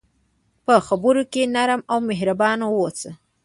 په خبرو کې نرم او مهربان اوسه.